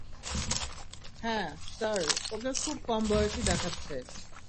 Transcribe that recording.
হ্যাঁ, sir, okay খুব কম বয়সী দেখাচ্ছে।